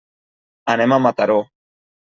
Anem a Mataró.